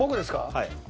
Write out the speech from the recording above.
はい。